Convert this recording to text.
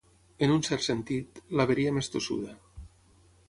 En un cert sentit, l'haveria més tossuda.